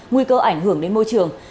nguy cơ ảnh hưởng đến môi trường